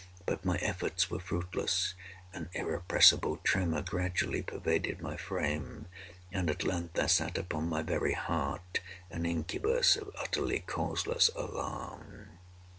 But my efforts were fruitless. An irrepressible tremor gradually pervaded my frame; and, at length, there sat upon my very heart an incubus of utterly causeless alarm.